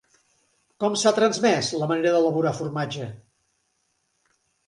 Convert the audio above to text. Com s'ha transmès la manera d'elaborar formatge?